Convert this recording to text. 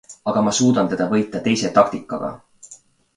Aga ma suudan teda võita teise taktikaga.